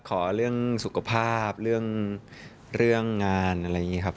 ขอเรื่องสุขภาพเรื่องงานอะไรอย่างนี้ครับ